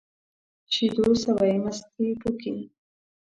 شيدو سوى ، مستې پوکي.